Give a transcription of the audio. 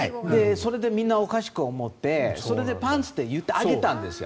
それでみんなおかしく思ってそれで、パンツって言ってあげたんですよ。